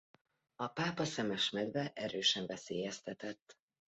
A pápaszemes medve erősen veszélyeztetett.